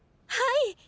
⁉はい！